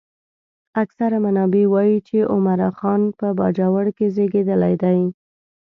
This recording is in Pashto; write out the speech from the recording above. اکثر منابع وايي چې عمرا خان په باجوړ کې زېږېدلی دی.